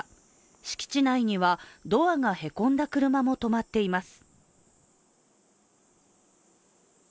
敷地内にはドアがへこんだ車も止まっています